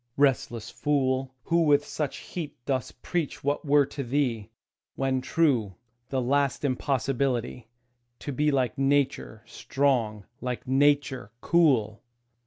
Restless fool, Who with such heat dost preach what were to thee, When true, the last impossibility To be like Nature strong, like Nature cool!